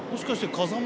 風間